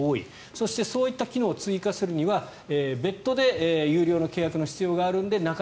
そして、そういった機能を追加するにはベットで有料の契約の必要があることが多いので